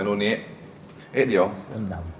ฝรั่นดำ